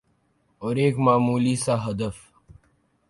اور ایک معمولی سا ہدف